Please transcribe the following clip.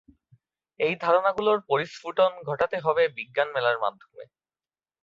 এই ধারণাগুলাের পরিস্ফুটন ঘটাতে হবে বিজ্ঞান মেলার মাধ্যমে।